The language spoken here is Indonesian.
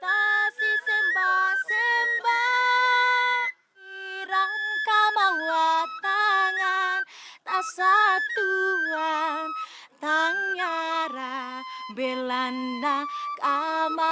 kami dianggap sebagai gelombang pertama yang berasal dari asia tenggara